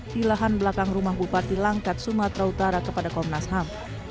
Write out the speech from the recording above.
di lahan belakang rumah bupati langkat sumatera utara kepada komnas ham